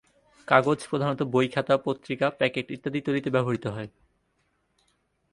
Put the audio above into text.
কাগজ প্রধানত বই–খাতা, পত্রিকা, প্যাকেট ইত্যাদি তৈরিতে ব্যবহৃত হয়।